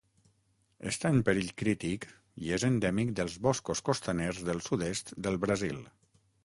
Està en perill crític i és endèmic dels boscos costaners del sud-est del Brasil.